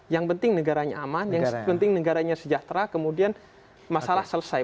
yang penting negaranya aman yang penting negaranya sejahtera kemudian masalah selesai